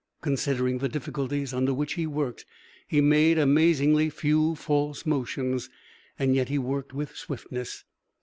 Considering the difficulties under which he worked, he made amazingly few false motions; and yet he worked with swiftness.